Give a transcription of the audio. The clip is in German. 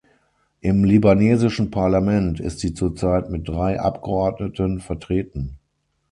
Im libanesischen Parlament ist sie zurzeit mit drei Abgeordneten vertreten.